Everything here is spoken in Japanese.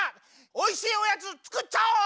おいしいおやつつくっちゃおう！